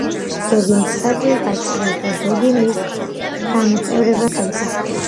ზოგი მსხვერპლის დაჭერას და ზოგჯერ მის დანაწევრებას ემსახურება.